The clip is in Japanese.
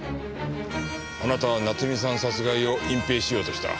あなたは夏美さん殺害を隠蔽しようとした。